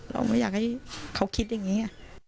เราไม่อยากให้เขาคิดอย่างนี้